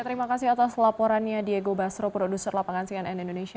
terima kasih atas laporannya diego basro produser lapangan cnn indonesia